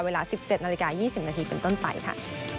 เวลา๑๗นาฬิกา๒๐นาทีเป็นต้นไปค่ะ